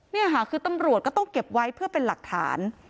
นี่ค่ะคือตำรวจก็ต้องเก็บไว้เพื่อเป็นหลักฐาน